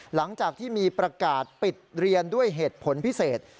หลังจากที่มีประกาศปิดเรียนด้วยเหตุผลพิเศษ